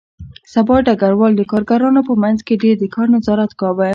سبا ډګروال د کارګرانو په منځ کې د کار نظارت کاوه